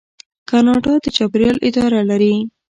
کاناډا د چاپیریال اداره لري.